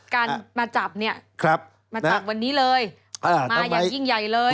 การมาจับเนี่ยมาจับวันนี้เลยมาอย่างยิ่งใหญ่เลย